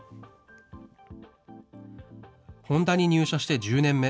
ホンダに入社して１０年目。